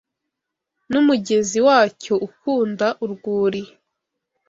n'umugezi wacyo ukunda, urwuri